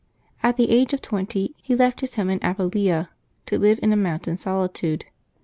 At the age of twenty, he left his home in Apulia to live in a mountain solitude.